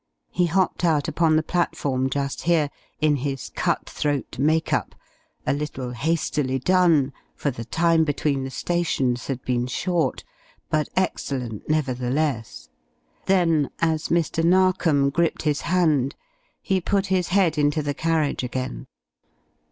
He hopped out upon the platform just here, in his "cut throat" make up a little hastily done, for the time between the stations had been short but excellent, nevertheless; then as Mr. Narkom gripped his hand, he put his head into the carriage again.